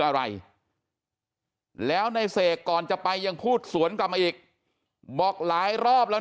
อะไรแล้วในเสกก่อนจะไปยังพูดสวนกลับมาอีกบอกหลายรอบแล้วนะ